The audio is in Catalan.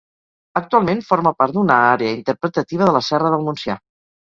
Actualment forma part d'una àrea interpretativa de la Serra del Montsià.